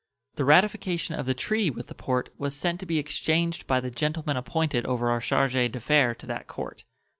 The ratification of the treaty with the Porte was sent to be exchanged by the gentleman appointed our charge d'affaires to that Court.